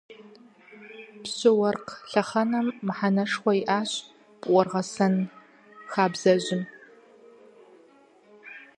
Пщы-уэркъ лъэхъэнэм мыхьэнэшхуэ иӏащ пӏургъэсэн хабзэжьым.